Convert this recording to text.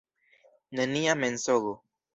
Nenia mensogo.